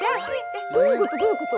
えどういうことどういうこと？